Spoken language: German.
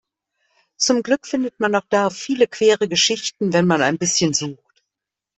Zum Glück findet man auch da viele queere Geschichten, wenn man ein bisschen sucht.